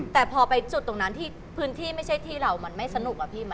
แต่พอไปจุดตรงนั้นที่พื้นที่ไม่ใช่ที่เรามันไม่สนุกอะพี่